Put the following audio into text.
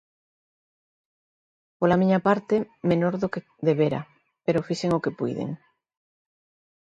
Pola miña parte menor do que debera, pero fixen o que puiden.